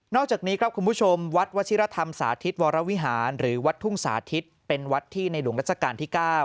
อกจากนี้ครับคุณผู้ชมวัดวชิรธรรมสาธิตวรวิหารหรือวัดทุ่งสาธิตเป็นวัดที่ในหลวงรัชกาลที่๙